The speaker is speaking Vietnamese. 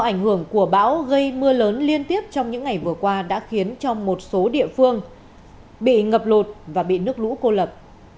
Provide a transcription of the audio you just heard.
ảnh hưởng của bão gây mưa lớn liên tiếp trong những ngày vừa qua đã khiến cho một số địa phương bị ngập lụt và bị nước lũ cô lập